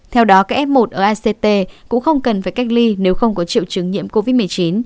theo đó cái f một ở act cũng không cần phải cách ly nếu không có triệu chứng nhiễm covid một mươi chín